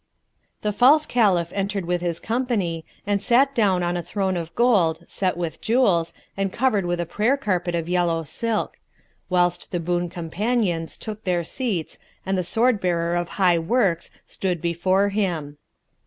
The false Caliph entered with his company, and sat down on a throne of gold set with jewels and covered with a prayer carpet of yellow silk; whilst the boon companions took their seats and the sword bearer of high works stood before him.